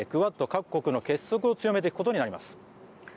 各国の結束を強めていくことになります。